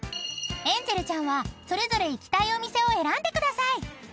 ［エンジェルちゃんはそれぞれ行きたいお店を選んでください］